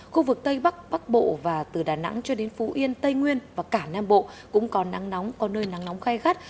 khu vực tây bắc bắc bộ và từ đà nẵng cho đến phú yên tây nguyên và cả nam bộ cũng có nắng nóng có nơi nắng nóng khay khắt